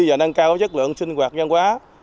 và nâng cao chất lượng sinh hoạt văn hóa